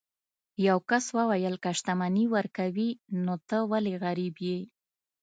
یو کس وویل که شتمني ورکوي نو ته ولې غریب یې.